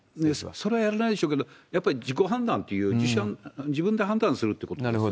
それはやらないでしょうけれども、やっぱり自己判断という、自分で判断するということですよね。